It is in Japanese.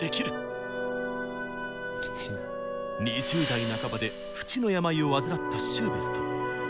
２０代半ばで不治の病を患ったシューベルト。